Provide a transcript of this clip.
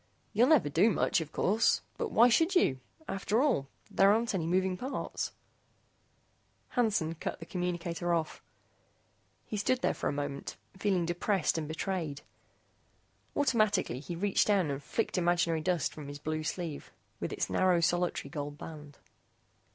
You'll never do much, of course, but why should you? After all, there aren't any moving parts." Hansen cut the communicator off. He stood there for a moment, feeling depressed and betrayed. Automatically he reached down and flicked imaginary dust from his blue sleeve with its narrow solitary gold band.